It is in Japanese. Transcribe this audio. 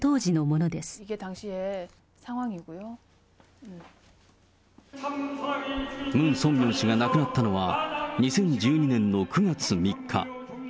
ムン・ソンミョン氏が亡くなったのは、２０１２年の９月３日。